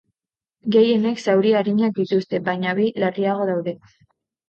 Gehienek zauri arinak dituzte, baina bi larriago daude.